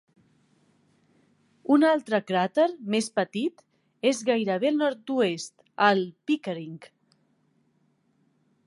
Un altre cràter, més petit, és gairebé al nord-oest, el Pickering.